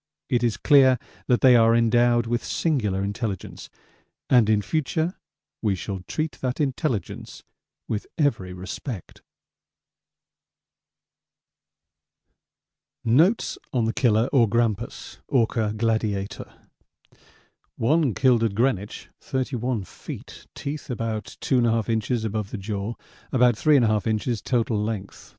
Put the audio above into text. It is clear that they are endowed with singular intelligence, and in future we shall treat that intelligence with every respect. Notes on the Killer or Grampus (Orca gladiator) One killed at Greenwich, 31 feet. Teeth about 2 1/2 inches above jaw; about 3 1/2 inches total length.